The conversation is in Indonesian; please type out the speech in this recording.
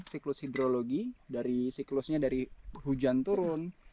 siklus hidrologi dari siklusnya dari hujan turun